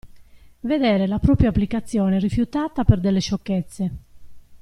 Vedere la propria applicazione rifiutata per delle sciocchezze.